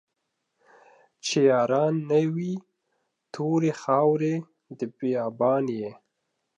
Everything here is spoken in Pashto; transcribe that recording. چې ياران نه وي توري خاوري د بيا بان يې